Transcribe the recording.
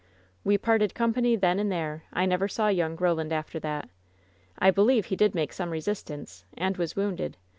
We parted company then and there. I never saw young Roland •" after that. I believe he did make some resistance, and was wounded.